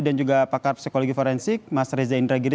dan juga pakar psikologi forensik mas reza indragiri